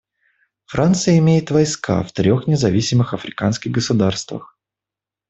Франция имеет войска в трех независимых африканских государствах.